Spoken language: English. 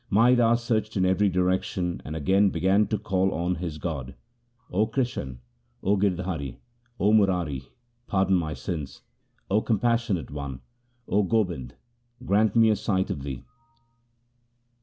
Mai Das searched in every direction, and again began to call on his god, ' 0 Krishan, O Girdhari, O Murari, pardon my sins. O compassionate one, O Gobind, grant me a sight of thee.'